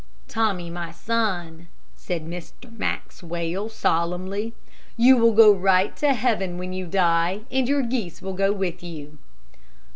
"Tommy, my son," said Mr. Maxwell, solemnly, "you will go right to heaven when you die, and your geese will go with you."